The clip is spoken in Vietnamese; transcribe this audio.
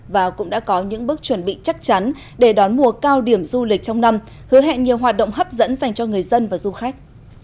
và cũng đã có những bước chuẩn bị chắc chắn để đón mùa cao điểm du lịch trong năm hứa hẹn nhiều hoạt động hấp dẫn dành cho người dân và du khách